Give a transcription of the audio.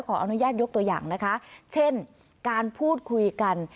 ขออนุญาตยกตัวอย่างนะคะเช่นการพูดคุยกัน